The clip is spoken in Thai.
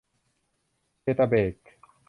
เจตาแบค